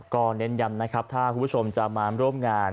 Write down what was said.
ก็เน้นย้ำนะครับถ้าคุณผู้ชมจะมาร่วมงาน